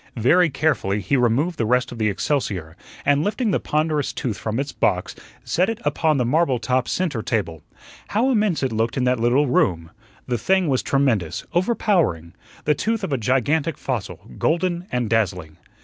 Very carefully he removed the rest of the excelsior, and lifting the ponderous Tooth from its box, set it upon the marble top centre table. How immense it looked in that little room! The thing was tremendous, overpowering the tooth of a gigantic fossil, golden and dazzling.